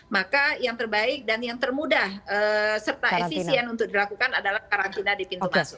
maka yang terbaik dan yang termudah serta efisien untuk dilakukan adalah karantina di pintu masuk